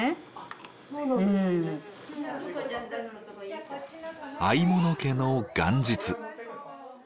四十物家の元日。